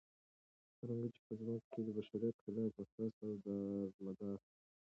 څرنګه چې په ځمكه كې دبشري خلافت اساس او دارمدار